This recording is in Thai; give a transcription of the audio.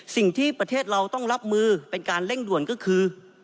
สิ่งที่ประเทศเราต้องรับมือเป็นการเร่งด่วนก็คือ